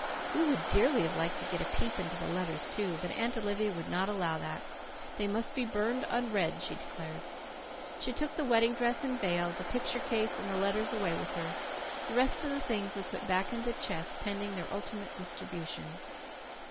We would dearly have liked to get a peep into the letters, too. But Aunt Olivia would not allow that. They must be burned unread, she declared. She took the wedding dress and veil, the picture case, and the letters away with her. The rest of the things were put back into the chest, pending their ultimate distribution.